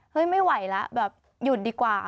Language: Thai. ไม่ไหวแล้วแบบหยุดดีกว่า